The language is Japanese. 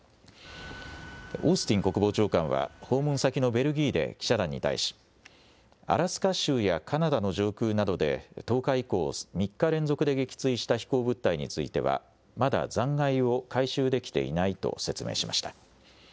オースティン国防長官は、訪問先のベルギーで記者団に対し、アラスカ州やカナダの上空などで１０日以降、３日連続で撃墜した飛行物体については、まだ残骸を回収できていないと説明しました。